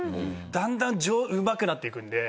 だんだんうまくなっていくんで。